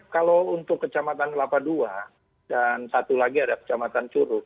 kalau untuk kecamatan kelapa ii dan satu lagi ada kecamatan curug